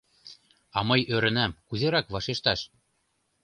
А мый ӧрынам, кузерак вашешташ.